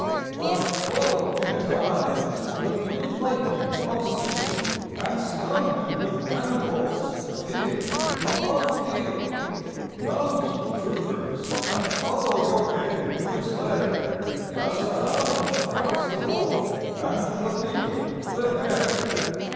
Flash full in his eyes the blue lightning of steel, And stun him with cannon bolts, peal upon peal! Mount, troopers, and follow your game to its lair, As the hound tracks the wolf and the beagle the hare!